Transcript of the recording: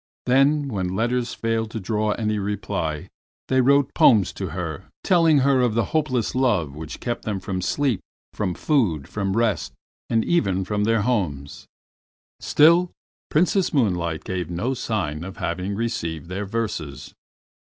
Then when letters failed to draw any reply, they wrote poems to her telling her of the hopeless love which kept them from sleep, from food, from rest, and even from their homes. Still Princes Moonlight gave no sign of having received their verses.